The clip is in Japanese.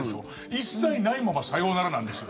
一切ないままさようならなんですよ。